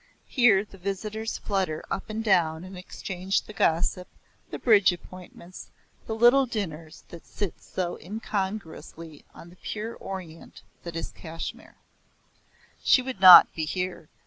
Here the visitors flutter up and down and exchange the gossip, the bridge appointments, the little dinners that sit so incongruously on the pure Orient that is Kashmir. She would not be here.